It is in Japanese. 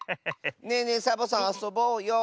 ねえねえサボさんあそぼうよ。